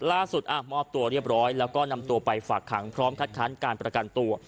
ล่าสุดมอบตัวเรียบร้อยแล้วก็นำตัวไปฝากขังพร้อมคัดค้านการประกันตัว